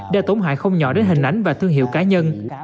đã tổn hại không nhỏ đến hình ảnh và thương hiệu cá nhân